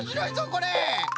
これ。